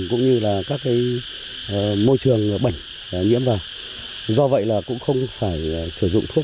cũng như các môi trường bệnh nhiễm vào do vậy cũng không phải sử dụng thuốc